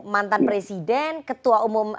mantan presiden ketua umum